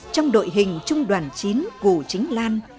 trong đội hình trung đoàn chín cụ chính lan